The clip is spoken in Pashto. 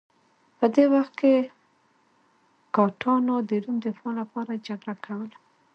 په دې وخت کې ګاټانو د روم دفاع لپاره جګړه کوله